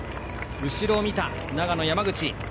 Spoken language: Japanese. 後ろを見た長野、山口。